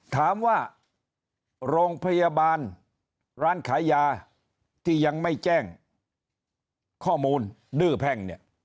ถามว่าโรงพยาบาลร้านขายยาที่ยังไม่แจ้งข้อมูลดื้อแพ่งเนี่ย